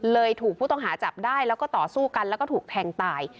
ถูกผู้ต้องหาจับได้แล้วก็ต่อสู้กันแล้วก็ถูกแทงตาย